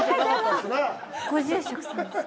ご住職さんですか？